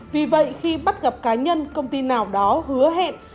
vì vậy khi bắt gặp cá nhân công ty nào đó hứa hẹn